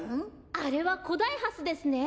あれはコダイハスですね。